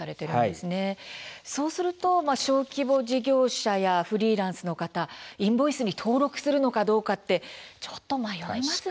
そうすると小規模事業者やフリーランスの方インボイスに登録するのかどうかちょっと迷いますね。